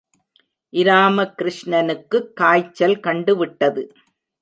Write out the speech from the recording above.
இராமகிருஷ்ணனுக்குக் காய்ச்சல் கண்டுவிட்டது.